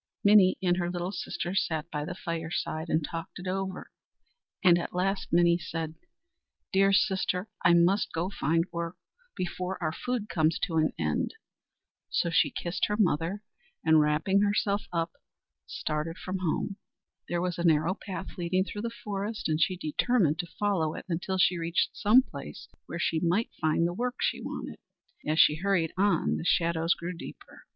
Minnie and her little sister sat by the fireside and talked it over, and at last Minnie said: "Dear sister, I must go out to find work, before the food comes to an end." So she kissed her mother, and, wrapping herself up, started from home. There was a narrow path leading through the forest, and she determined to follow it until she reached some place where she might find the work she wanted. As she hurried on, the shadows grew deeper.